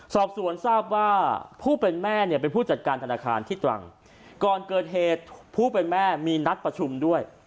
สอบสวนทราบว่าผู้เป็นแม่เนี่ยเป็นผู้จัดการธนาคารที่ตรังก่อนเกิดเหตุผู้เป็นแม่มีนัดประชุมด้วย